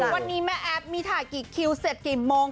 วันนี้แม่แอฟมีถ่ายกี่คิวเสร็จกี่โมง